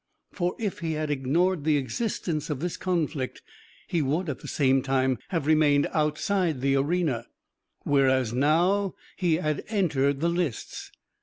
For if he had ignored the existence of this conflict he would at the same time, have remained outside the arena. Whereas now he had entered the lists.